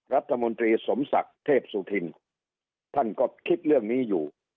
รัฐมนตรีสมศักดิ์เทพสุธินท่านก็คิดเรื่องนี้อยู่